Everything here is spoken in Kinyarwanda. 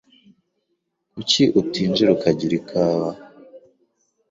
Kuki utinjira ukagira ikawa?